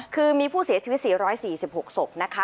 คือมีผู้เสียชีวิต๔๔๖ศพนะคะ